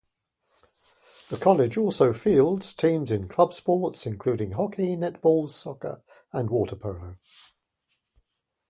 The College also fields teams in club sports including hockey, netball, soccer and waterpolo.